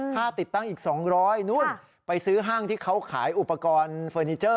ติดตั้งอีก๒๐๐นู่นไปซื้อห้างที่เขาขายอุปกรณ์เฟอร์นิเจอร์